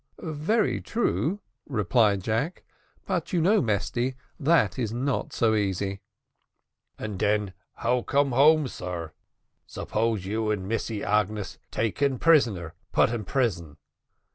"Very true," replied Jack; "but you know, Mesty, that is not so easy." "And den how come home, sar. Suppose you and Missy Agnes taken prisoner put in prison?"